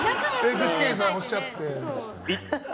具志堅さん、おっしゃってました。